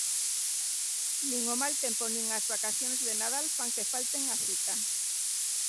Nin o mal tempo nin as vacacións de Nadal fan que falten á cita.